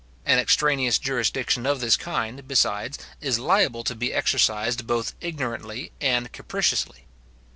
An extraneous jurisdiction of this kind, besides, is liable to be exercised both ignorantly and capriciously.